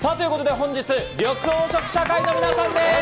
本日は緑黄色社会の皆さんです！